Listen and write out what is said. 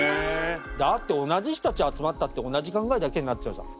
だって同じ人たち集まったって同じ考えだけになっちゃうじゃん。